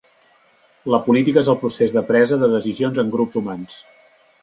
La política és el procés de presa de decisions en grups humans.